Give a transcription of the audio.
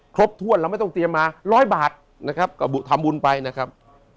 ครบถ้วนเราไม่ต้องเตรียมมาร้อยบาทนะครับกระบุทำบุญไปนะครับ